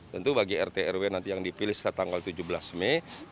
tentu bagi rt rw nanti yang dipilih setelah tanggal tujuh belas mei